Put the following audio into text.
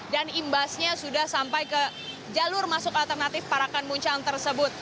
dan imbasnya sudah sampai ke jalur masuk alternatif parakan muncang tersebut